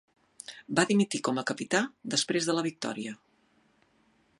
Va dimitir com a capità després de la victòria.